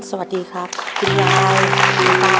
โปรดติดตามตอนต่อไป